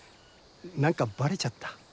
何かバレちゃった？